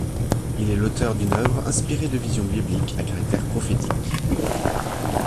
Il est l'auteur d'une œuvre inspirée de visions bibliques à caractère prophétique.